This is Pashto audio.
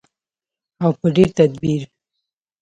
او په ډیر تدبیر.